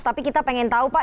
tapi kita pengen tahu pak